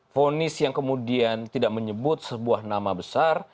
fonis yang kemudian tidak menyebut sebuah nama besar